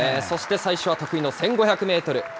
そして最初は得意の１５００メートル。